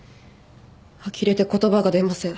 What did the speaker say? あきれて言葉が出ません。